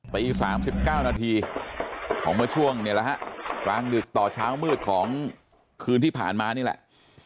ตี๓๙นาทีของเมื่อช่วงเนี่ยแหละฮะกลางดึกต่อเช้ามืดของคืนที่ผ่านมานี่แหละ